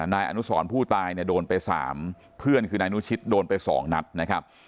นายอนุสรผู้ตายเนี่ยโดนไป๓เพื่อนคือนายนุชิตโดนไป๒นัดนะครับ